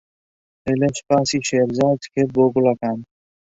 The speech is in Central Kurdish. لەیلا سوپاسی شێرزاد کرد بۆ گوڵەکان.